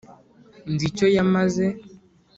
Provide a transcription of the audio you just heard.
nzi icyo yamaze